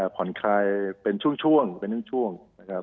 ผ่อนคลายเป็นช่วง